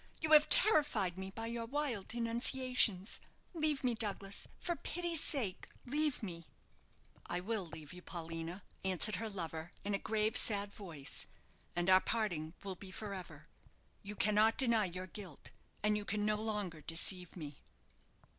You have terrified me by your wild denunciations. Leave me, Douglas: for pity's sake, leave me." "I will leave you, Paulina," answered her lover, in a grave, sad voice; "and our parting will be for ever. You cannot deny your guilt, and you can no longer deceive me."